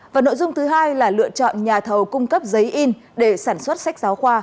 và nội dung thứ hai là lựa chọn nhà thầu cung cấp giấy in để sản xuất sách giáo khoa